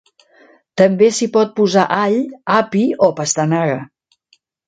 També s'hi pot posar all, api o pastanaga.